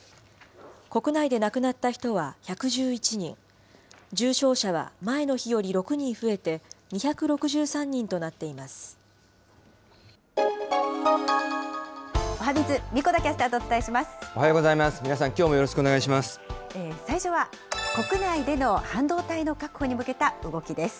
国内で亡くなった人は１１１人、重症者は前の日より６人増えて２おはＢｉｚ、おはようございます。